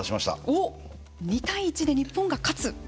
２対１で日本が勝つ？